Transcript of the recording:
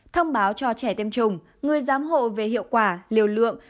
thông báo cho trẻ tiêm chủng người giám hộ về hiệu quả liều lượng